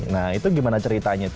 nah itu gimana ceritanya